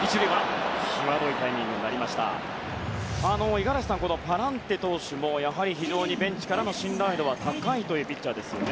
五十嵐さんパランテ投手もやはり非常にベンチからの信頼度は高いピッチャーですね。